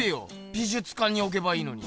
美術館におけばいいのに。